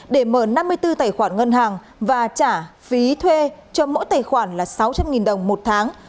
để mở năm mươi bốn tài khoản ngân hàng và trả phí thuê cho mỗi tài khoản là sáu trăm linh đồng một tháng